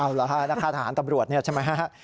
อ้าวล่ะนักฆ่าทหารตำรวจนี่ใช่ไหม